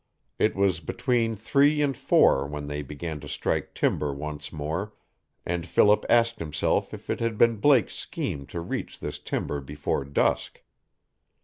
It was between three and four when they began to strike timber once more, and Philip asked himself if it had been Blake's scheme to reach this timber before dusk.